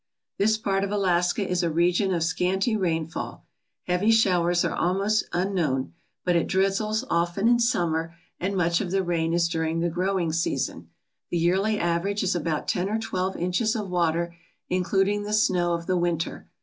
This part of Alaska is a region of scanty rainfall Heavy showers are almost unknown; but it drizzles often HOMESTEADING UNDER THE ARCTIC CIRCLE in summer and much of the rain is during the growing season. The yearly average is about ten or twelve inches of water, including the snow of the winter.